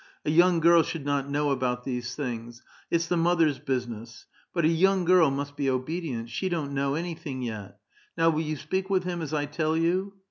A young girl should not know about these things ; it's the mother's busi ness. But a young girl must be obedient ; she don't know anything yet. Now will you speak with him as I tell you?"